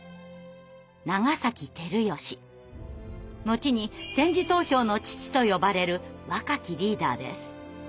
後に「点字投票の父」と呼ばれる若きリーダーです。